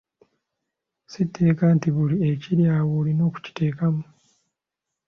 Si tteeka nti buli ekiri awo olina okukiteekamu.